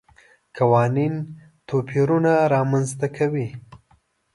قوانین توپیرونه رامنځته کوي.